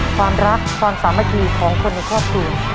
ความรักความสามัคคีของคนในครอบครัว